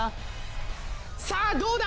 さぁどうだ？